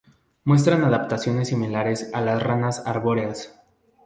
Muestran adaptaciones similares a las ranas arbóreas.